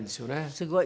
すごい。